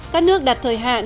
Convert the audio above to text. các nước đặt thời hạn